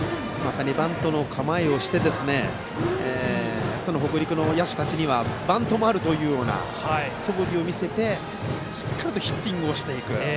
バントの構えをして北陸の野手たちにバントもあるというそぶりを見せてしっかりヒッティングしていく。